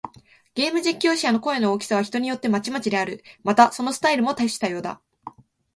ゲーム実況者の声の大きさは、人によってまちまちである。また、そのスタイルも多種多様だ。